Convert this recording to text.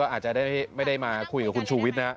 อาจจะได้ไม่ได้มาคุยคุณชูวิชนะ